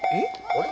あれ？